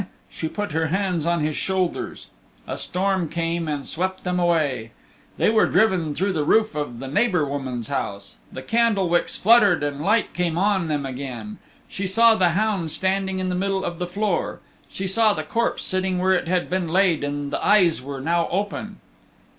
She put her hands on his shoulders. A storm came and swept them away. They were driven through the roof of the neighbor woman's house. The candle wicks fluttered and light came on them again. She saw the hound standing in the middle of the floor. She saw the corpse sitting where it had been laid and the eyes were now open.